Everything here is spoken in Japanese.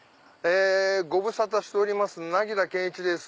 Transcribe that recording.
ご無沙汰しておりますなぎら健壱です。